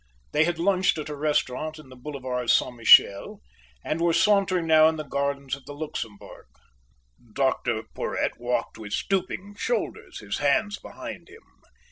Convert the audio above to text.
They had lunched at a restaurant in the Boulevard Saint Michel, and were sauntering now in the gardens of the Luxembourg. Dr Porhoët walked with stooping shoulders, his hands behind him.